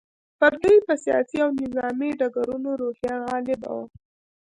پر دوی په سیاسي او نظامي ډګرونو روحیه غالبه وه.